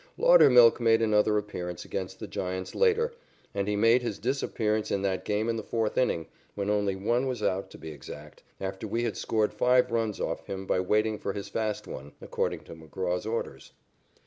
Laudermilk made another appearance against the Giants later, and he made his disappearance in that game in the fourth inning, when only one was out to be exact, after we had scored five runs off him by waiting for his fast one, according to McGraw's orders.